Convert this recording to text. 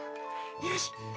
よし！